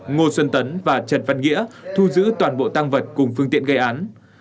ngô xuân tấn và trần văn nghĩa thu giữ toàn bộ tăng vật cùng phương tiện gây án